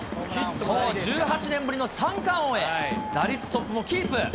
宗、１８年ぶりの三冠王へ、打率トップもキープ。